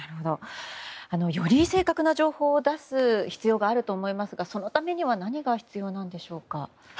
より正確な情報を出す必要があると思いますがそのためには何が必要なんでしょうか。